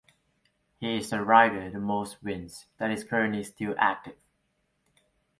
He is the rider with most wins that is currently still active.